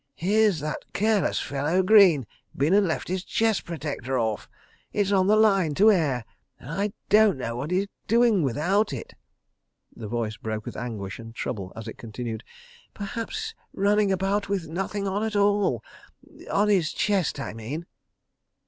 "Here's that careless fellow, Greene, been and left his chest protector off! ... It's on the line to air, and I don't know what he's doing without it." The voice broke with anguish and trouble as it continued: "Perhaps running about with nothing on at all. ... On his chest, I mean.